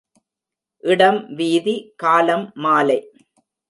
இடம் வீதி காலம் மாலை.